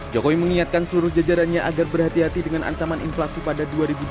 jokowi mengingatkan seluruh jajarannya agar berhati hati dengan ancaman inflasi pada dua ribu dua puluh